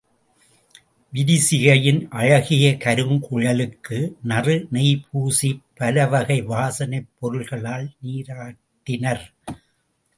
விரிசிகையின் அழகிய கருங்குழலுக்கு நறு நெய்பூசிப் பல வகை வாசனைப் பொருள்களால் நீராட்டினர்.